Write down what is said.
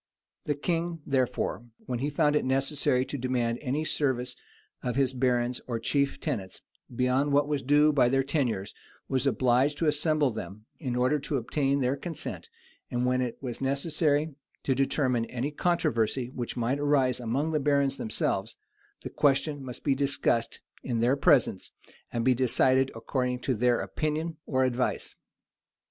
The king, therefore, when he found it necessary to demand any service of his barons or chief tenants, beyond what was due by their tenures, was obliged to assemble them, in order to obtain their consent; and when it was necessary to determine any controversy which might arise among the barons themselves, the question must be discussed in their presence, and be decided according to their opinion or advice.